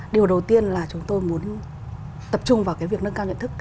điều đầu tiên là chúng tôi muốn tập trung vào cái việc nâng cao nhận thức